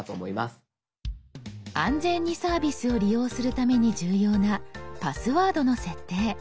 安全にサービスを利用するために重要なパスワードの設定。